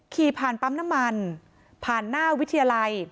ขี่ผ่านปั๊มน้ำมันผ่านหน้าวิทยาลัย